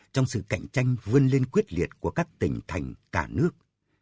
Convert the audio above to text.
trong sự cạnh tranh vươn lên quyết liệt của các tỉnh thành cả nước